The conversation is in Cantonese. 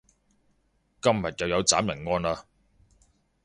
今日又有斬人案喇